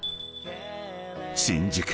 ［新宿］